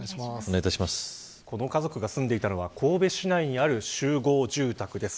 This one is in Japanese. この家族が住んでいたのは神戸市内にある集合住宅です。